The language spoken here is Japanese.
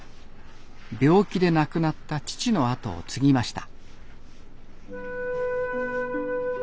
病気で亡くなった父の後を継ぎました。